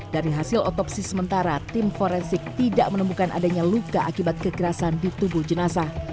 dari hasil otopsi sementara tim forensik tidak menemukan adanya luka akibat kekerasan di tubuh jenazah